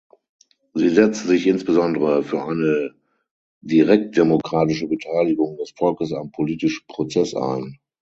Sie setzte sich insbesondere für eine direktdemokratische Beteiligung des Volkes am politischen Prozess ein.